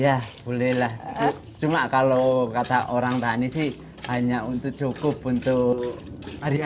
ya bolehlah cuma kalau kata orang tani sih hanya untuk cukup untuk hari ini